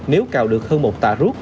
nếu cào được hơn một tà rút